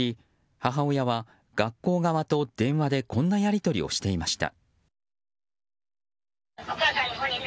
母親は学校側とこんなやり取りをしていました。